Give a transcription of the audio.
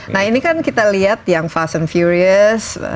nah ini kan kita lihat yang fas and furious